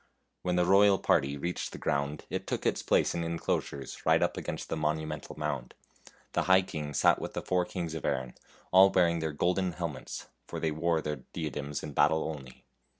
When the royal party reached the ground it took its place in inclosures right up against the monumental mound. The High King sat with the four kings of Erin, all wearing their golden helmets, for they wore their diadems in battle only.